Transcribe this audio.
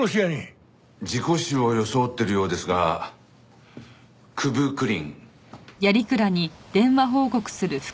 事故死を装ってるようですが九分九厘。